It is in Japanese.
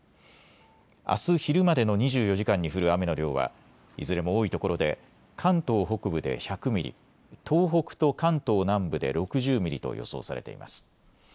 あす昼までの２４時間に降る雨の量はいずれも多いところで関東北部で１００ミリ、東北と関東南部で６０ミリと予想されています。